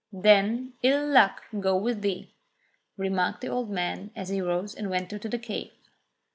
"Then ill luck go with thee," remarked the old man as he rose and went into the cave.